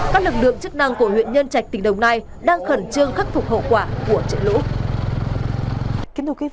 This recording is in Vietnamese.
các lực lượng chức năng của huyện nhân trạch tỉnh đồng nai đang khẩn trương khắc phục hậu quả của trận lũ